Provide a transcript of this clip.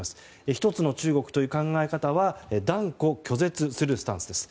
一つの中国という考え方は断固拒絶するスタンスです。